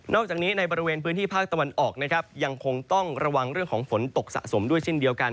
อกจากนี้ในบริเวณพื้นที่ภาคตะวันออกนะครับยังคงต้องระวังเรื่องของฝนตกสะสมด้วยเช่นเดียวกัน